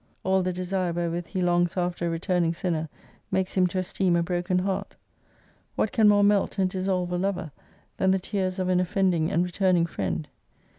All the desire wherewith He longs after a returning sinner, makes Him to esteem a broken heart. What can more melt and dissolve a lover than the tears of an offending and returning friend